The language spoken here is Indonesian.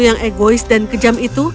yang egois dan kejam itu